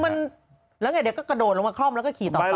มันคือหรอไงเดี๋ยวขดโหลลงมาคล่อมและขีเท่าไป